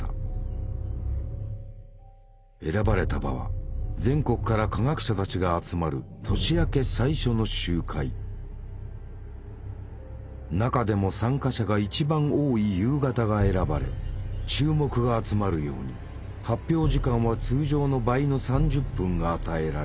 選ばれた場は全国から科学者たちが集まる中でも参加者が一番多い夕方が選ばれ注目が集まるように発表時間は通常の倍の３０分が与えられた。